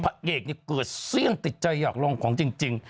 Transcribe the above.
พระเอกเนี่ยเกิดเสี่ยงติดใจอยากลองของจริง